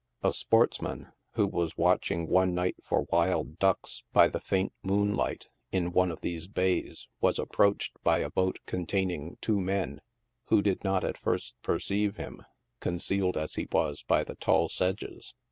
A sportsman, who was watching one night for wild ducks, by the faint moonlight, in one of these bays, was approached by a boat containing two men, who did not at first perceive him, con cealed, as he was, by the tall sedges.